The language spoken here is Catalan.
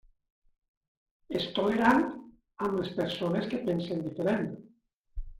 És tolerant amb les persones que pensen diferent.